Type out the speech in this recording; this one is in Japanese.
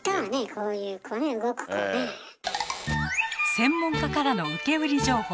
専門家からの受け売り情報。